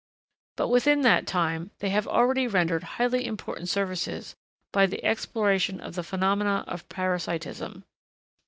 But within that time, they have already rendered highly important services by the exploration of the phenomena of parasitism.